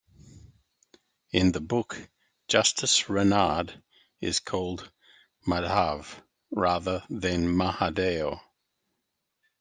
In the book, Justice Ranade is called "Madhav" rather than Mahadeo.